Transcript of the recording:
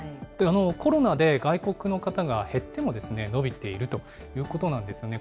コロナで外国の方が減ってもですね、伸びているということなんですよね。